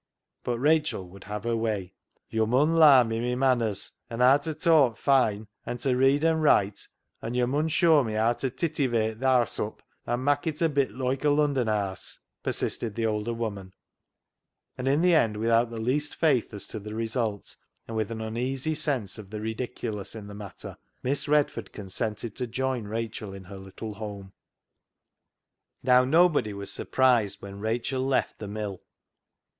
But Rachel would have her way. " Yo' mun larn me my manners, an' haa ta talk foine and ta read an' write, an' yo' mun show me haa to tittivate th' haase up an' mak' it a bit loike a Lundon haase," persisted the older woman ; and in the end, without the least faith as to the result, and with an uneasy sense VAULTING AMBITION 245 of the ridiculous in the matter, Miss Redford consented to join Rachel in her little home. Now, nobody was surprised when Rachel left the mill.